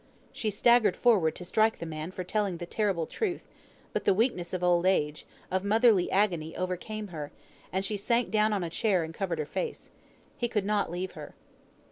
She staggered forward to strike the man for telling the terrible truth; but the weakness of old age, of motherly agony, overcame her, and she sank down on a chair, and covered her face. He could not leave her.